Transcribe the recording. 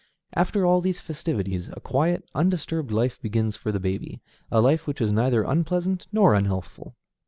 After all these festivities, a quiet, undisturbed life begins for the baby, a life which is neither unpleasant nor unhealthful.